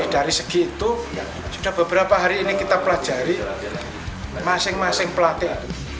dari segi itu sudah beberapa hari ini kita pelajari masing masing pelatih